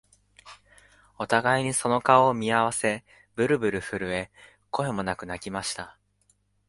お互いにその顔を見合わせ、ぶるぶる震え、声もなく泣きました